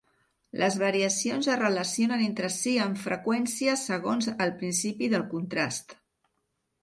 Les variacions es relacionen entre si amb freqüència segons el principi del contrast.